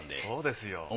そうですよ。